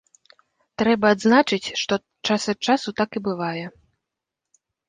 Трэба адзначыць, што час ад часу так і бывае.